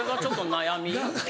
悩み？